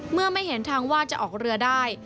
เมื่อไม่เห็นทางว่าจะออกเรือได้